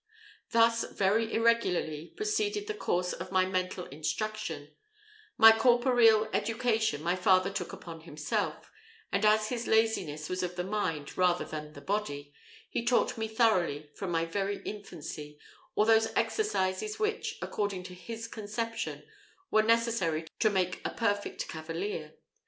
Thus, very irregularly, proceeded the course of my mental instruction; my corporeal education my father took upon himself, and as his laziness was of the mind rather than the body, he taught me thoroughly, from my very infancy, all those exercises which, according to his conception, were necessary to make a perfect cavalier.